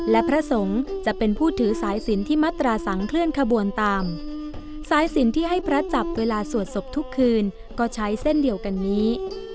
และพระสงฆ์จะเป็นผู้ถือสายสินที่มัตราสังเคลื่อนขบวนตามสายสินที่ให้พระจับเวลาสวดศพทุกคืนก็ใช้เส้นเดียวกันนี้